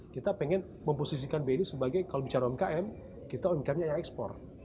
kita pengen memposisikan bni sebagai kalau bicara umkm kita umkm nya yang ekspor